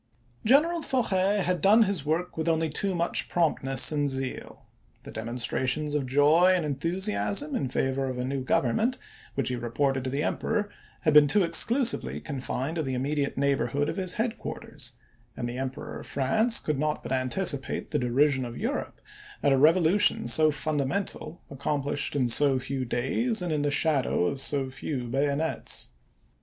General Forey had done his work with only too much promptness and zeal. The demonstrations of joy and enthusiasm in favor of a new govern ment which he reported to the Emperor had been too exclusively confined to the immediate neigh borhood of his headquarters, and the Emperor of France could not but anticipate the derision of Europe at a revolution so fundamental accom plished in so few days and in the shadow of so few bayonets.